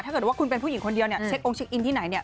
ถ้าเกิดว่าคุณเป็นผู้หญิงคนเดียวเนี่ยเช็คองเช็คอินที่ไหนเนี่ย